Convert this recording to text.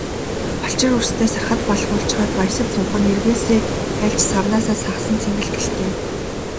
Балчир үрстээ сархад балгуулчхаад баясаж суух нь эргээсээ хальж, савнаасаа сагасан цэнгэл гэлтэй.